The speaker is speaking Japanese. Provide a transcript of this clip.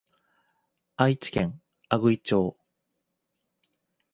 愛知県阿久比町